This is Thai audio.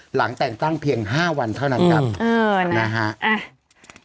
หลังแต่งตั้งเพียง๕วันเท่านั้นครับนะฮะ